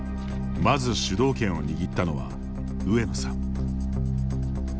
まず主導権を握ったのは上野さん。